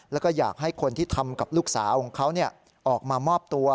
แล้วก็อยากให้คนที่ทำกับลูกสาวของเขาออกมามอบตัว